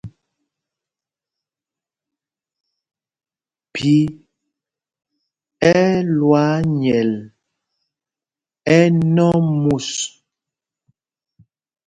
Phī ɛ́ ɛ́ lwaa nyɛl ɛnɔ mus.